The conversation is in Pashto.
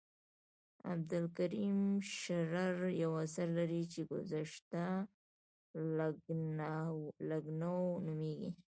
عبدالکریم شرر یو اثر لري چې ګذشته لکنهو نومیږي.